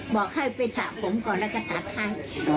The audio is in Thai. บอกให้ไปสระผมก่อนแล้วจะตัดให้